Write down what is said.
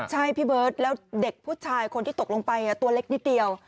ใช่พี่เบิร์ตแล้วเด็กผู้ชายคนที่ตกลงไปตัวเล็กนิดเดียว